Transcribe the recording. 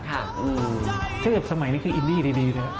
เท่าสมัยนี้คืออินดีดีด้วยครับ